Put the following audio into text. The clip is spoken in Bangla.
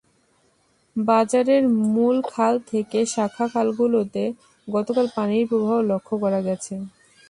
ব্যারাজের মূল খাল থেকে শাখা খালগুলোতে গতকাল পানির প্রবাহ লক্ষ করা গেছে।